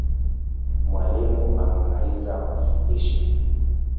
Mwalimu amemaliza kufundisha